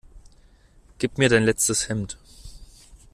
Gib mir dein letztes Hemd!